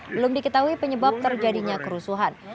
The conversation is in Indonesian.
belum diketahui penyebab terjadinya kerusuhan